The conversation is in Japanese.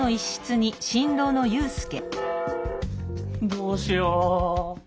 どうしよう。